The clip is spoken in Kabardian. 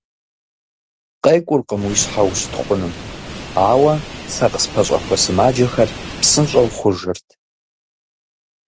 КъекӀуркъым уи щхьэ ущытхъуну, ауэ сэ къыспэщӀэхуэ сымаджэхэр псынщӀэу хъужырт.